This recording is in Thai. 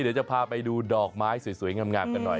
เดี๋ยวจะพาไปดูดอกไม้สวยงามกันหน่อย